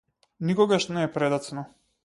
Никогаш не е предоцна.